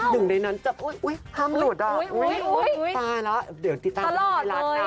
อย่างในนั้นจะอุ๊ยห้ามหลวดอ่ะอุ๊ยตายแล้วเดี๋ยวติดตามก็ไม่มีเวลานะ